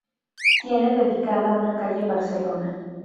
Tiene dedicada una calle en Barcelona.